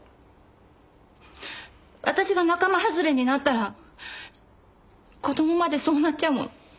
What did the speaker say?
私が仲間はずれになったら子供までそうなっちゃうもん。